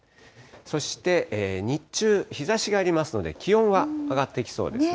そして日中、日ざしがありますので、気温は上がっていきそうですね。